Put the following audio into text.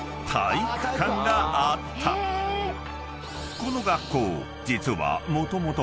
［この学校実は］